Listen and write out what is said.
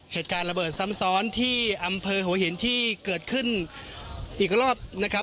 เหตุการณ์ระเบิดซ้ำซ้อนที่อำเภอหัวหินที่เกิดขึ้นอีกรอบนะครับ